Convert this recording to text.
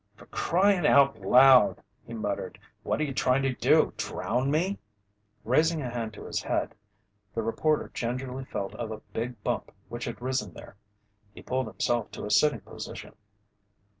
"For crying out loud!" he muttered. "What you trying to do? Drown me?" Raising a hand to his head, the reporter gingerly felt of a big bump which had risen there. He pulled himself to a sitting position.